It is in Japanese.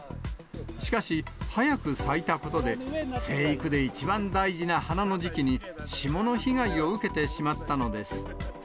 しかし、早く咲いたことで、生育で一番大事な花の時期に、霜の被害を受けてしまったのです。